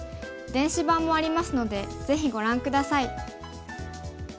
電子版もありますのでぜひご覧下さい。